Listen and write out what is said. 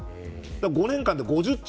５年間で５０兆。